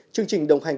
chương trình đồng hành